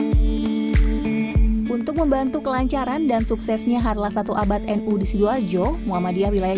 hai untuk membantu kelancaran dan suksesnya harla satu abat nu di sidoarjo muhammadiyah wilayah